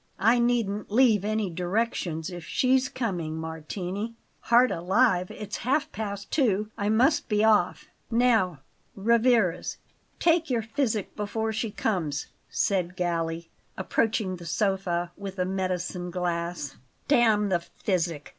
I needn't leave any directions if she's coming, Martini. Heart alive, it's half past two; I must be off!" "Now, Rivarez, take your physic before she comes," said Galli, approaching the sofa with a medicine glass. "Damn the physic!"